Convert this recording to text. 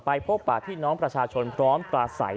ไปพบปากที่น้องประชาชนพร้อมกระใส